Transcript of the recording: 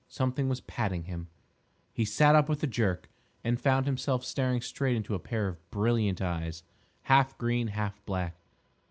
Something was patting him. He sat up with a jerk, and found himself staring straight into a pair of brilliant eyes, half green, half black.